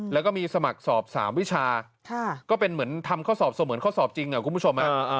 แล้วก็มีสมัครสอบ๓วิชาก็เป็นเหมือนทำข้อสอบเสมือนข้อสอบจริงคุณผู้ชม